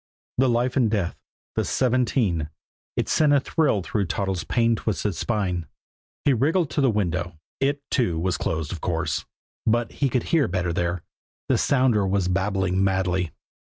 The life and death the seventeen it sent a thrill through Toddles' pain twisted spine. He wriggled to the window. It, too, was closed, of course, but he could hear better there. The sounder was babbling madly.